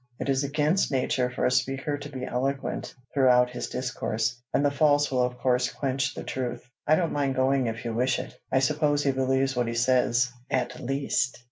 It is against nature for a speaker to be eloquent throughout his discourse, and the false will of course quench the true. I don't mind going if you wish it. I suppose he believes what he says, at least."